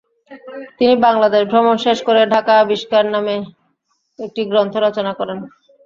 তিনি বাংলাদেশ ভ্রমণ শেষ করে ঢাকা আবিষ্কার নামে একটি গ্রন্থ রচনা করেন।